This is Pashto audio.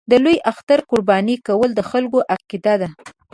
د لوی اختر قرباني کول د خلکو عقیده ده.